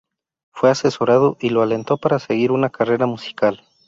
Fue asesorado y lo alentó para seguir una carrera musical.